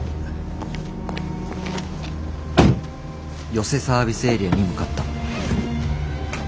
与瀬サービスエリアに向かった。